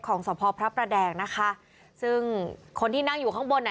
สพพระประแดงนะคะซึ่งคนที่นั่งอยู่ข้างบนอ่ะ